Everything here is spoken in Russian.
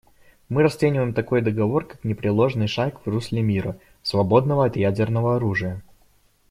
Мы расцениваем такой договор как непреложный шаг в русле мира, свободного от ядерного оружия.